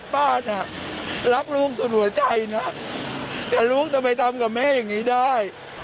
ป้าจะรักลูกสุดหัวใจนะแต่ลูกจะไปทำกับแม่อย่างนี้ได้